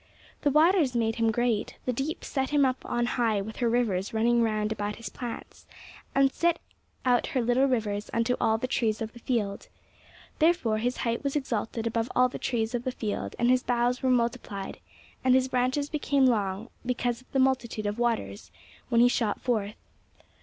The waters made him great, the deep set him up on high with her rivers running round about his plants, and sent out her little rivers unto all the trees of the field. Therefore his height was exalted above all the trees of the field and his boughs were multiplied, and his branches became long because of the multitude of waters, when he shot forth.